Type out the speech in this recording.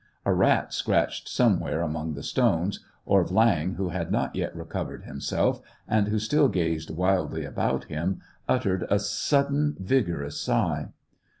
A rat scratched somewhere among the stones, or Viang, who had not yet recovered himself, and who still gazed wildly about him, uttered a sudden vigorous sigh.